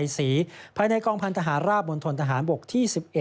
ถนนนครชายศรีภายในกองพันธหารราบบนทนทหารบกที่๑๑